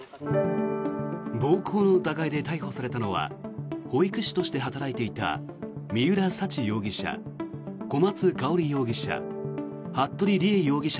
暴行の疑いで逮捕されたのは保育士として働いていた三浦沙知容疑者、小松香織容疑者